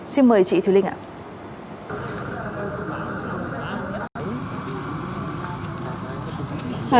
xin mời chị thùy linh ạ